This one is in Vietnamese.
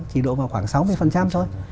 chỉ độ vào khoảng sáu mươi thôi